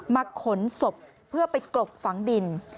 ขนศพเพื่อไปกลบฝังดิน